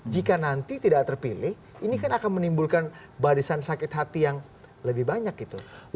jika nanti tidak terpilih ini kan akan menimbulkan barisan sakit hati yang lebih banyak gitu